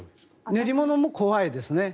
練り物も怖いですね。